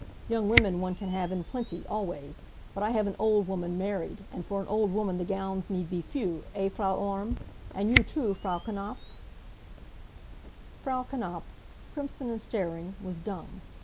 Young women one can have in plenty, always. But I have an old woman married, and for an old woman the gowns need be few eh, Frau Orme? And you too, Frau Knapf?" Frau Knapf, crimson and staring, was dumb.